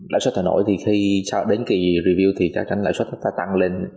lãi xuất thả nổi thì sau đến kỳ review thì chắc chắn lãi xuất thắt chặt tăng lên